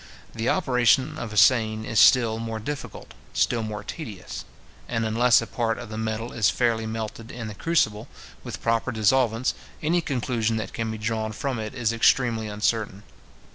The operation of assaying is still more difficult, still more tedious; and, unless a part of the metal is fairly melted in the crucible, with proper dissolvents, any conclusion that can be drawn from it is extremely uncertain.